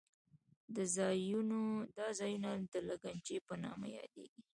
دا ځایونه د لګنچې په نامه یادېږي.